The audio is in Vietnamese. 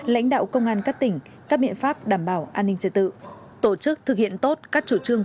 lãnh đạo công an các tỉnh các biện pháp đảm bảo an ninh trật tự tổ chức thực hiện tốt các chủ trương